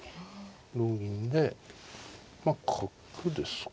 同銀でまあ角ですかねえ。